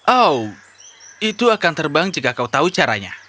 oh itu akan terbang jika kau tahu caranya